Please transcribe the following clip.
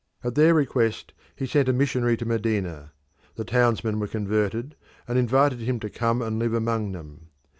At their request he sent a missionary to Medina; the townsmen were converted, and invited him to come and live among them.